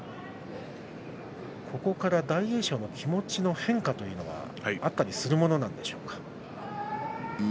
ここから大栄翔の気持ちの変化というのはあったりするものなんでしょうか。